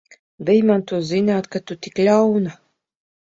Bij man to zināt, ka tu tik ļauna!